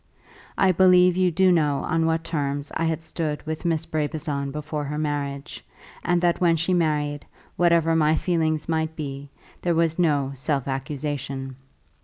I believe you do know on what terms I had stood with Miss Brabazon before her marriage, and that when she married, whatever my feelings might be, there was no self accusation.